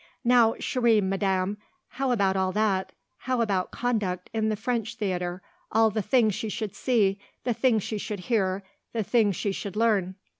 Now, chère madame, how about all that; how about conduct in the French theatre all the things she should see, the things she should hear, the things she should learn?"